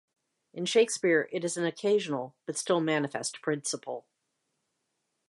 In Shakespeare it is an occasional, but still manifest principle.